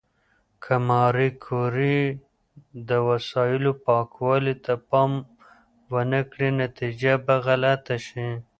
که ماري کوري د وسایلو پاکوالي ته پام ونه کړي، نتیجه به غلطه شي.